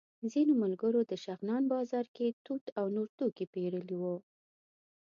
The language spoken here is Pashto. ځینو ملګرو د شغنان بازار کې توت او نور توکي پېرلي وو.